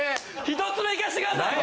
一つ目いかしてください